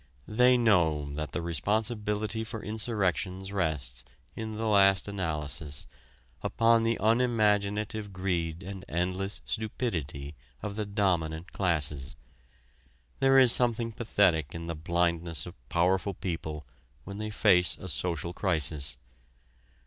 They know that the responsibility for insurrections rests in the last analysis upon the unimaginative greed and endless stupidity of the dominant classes. There is something pathetic in the blindness of powerful people when they face a social crisis.